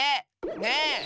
ねえ！